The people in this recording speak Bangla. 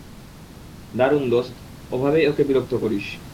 দারুণ দোস্ত, এভাবেই ওকে বিরক্ত করিস।